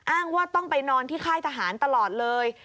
อ้างว่าต้องไปนอนที่ค่ายทหารตลอดเลย